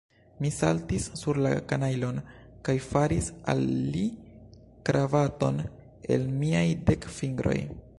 Mi saltis sur la kanajlon, kaj faris al li kravaton el miaj dek fingroj.